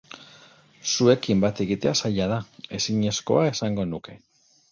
Zuekin bat egitea zaila da, ezinezkoa esango nuke.